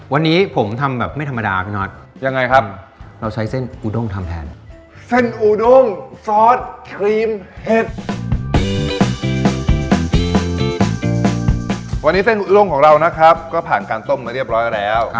วันนี้เส้นรุ่งของเรานะครับก็ผ่านการต้มมาเรียบร้อยแล้ว